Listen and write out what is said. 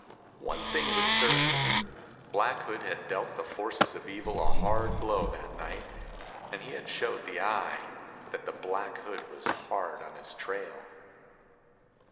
One thing was certain: Black Hood had dealt the forces of evil a hard blow that night, and he had showed the Eye that the Black Hood was hard on his trail.